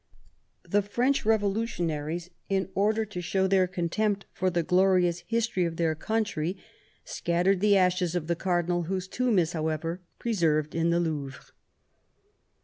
The French Revolutionists, in order to show their contempt for the glorious history of their country, scattered M 162 MAZAEIN chap. the ashes of the cardinal, whose tomb is, however, preserved in the Louvre.